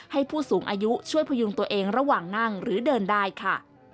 ผู้สูงอายุช่วยพยุงตัวเองระหว่างนั่งหรือเดินได้ค่ะ